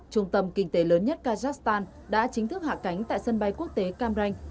trung tâm kinh tế lớn nhất kazakhstan đã chính thức hạ cánh tại sân bay quốc tế cam ranh